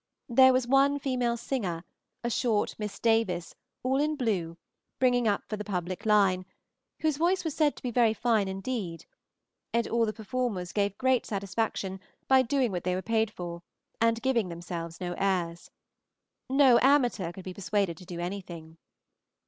There was one female singer, a short Miss Davis, all in blue, bringing up for the public line, whose voice was said to be very fine indeed; and all the performers gave great satisfaction by doing what they were paid for, and giving themselves no airs. No amateur could be persuaded to do anything.